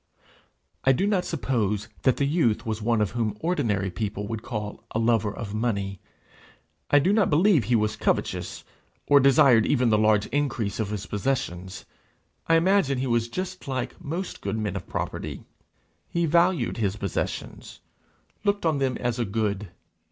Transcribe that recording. I do not suppose that the youth was one whom ordinary people would call a lover of money; I do not believe he was covetous, or desired even the large increase of his possessions; I imagine he was just like most good men of property: he valued his possessions looked on them as a good.